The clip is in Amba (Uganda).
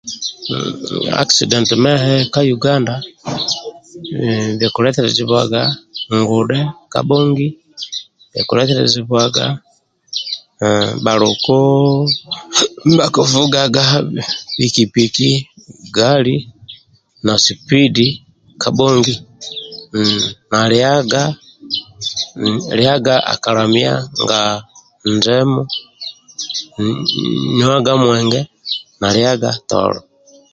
Akisidenti mehe ka Yuganda akiletelezebwaga ngudhe kabhongi akiletelezebwaha bhaluku ndibha kivugaga piki piki gali na sipidi kabhongi na liaga akalamia njemu liaga mwenge na liaga tolo